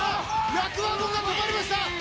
厄ワゴンが止まりました。